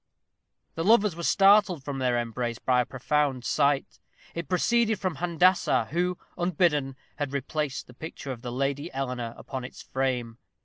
The lovers were startled from their embrace by a profound sigh; it proceeded from Handassah, who, unbidden, had replaced the picture of the Lady Eleanor upon its frame.